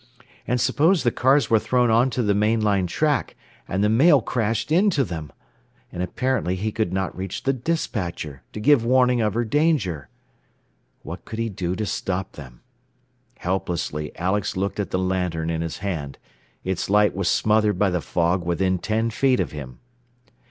And suppose the cars were thrown onto the main line track, and the Mail crashed into them! And, apparently, he could not reach the despatcher, to give warning of her danger! What could he do to stop them? Helplessly Alex looked at the lantern in his hand. Its light was smothered by the fog within ten feet of him.